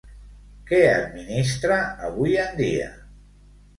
Què administra avui en dia?